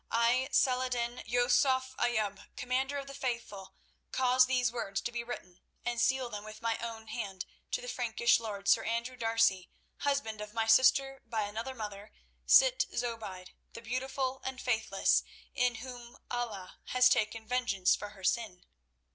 I, Salah ed din, Yusuf ibn Ayoub, Commander of the Faithful, cause these words to be written, and seal them with my own hand, to the Frankish lord, Sir Andrew D'Arcy, husband of my sister by another mother, Sitt Zobeide, the beautiful and faithless, on whom Allah has taken vengeance for her sin.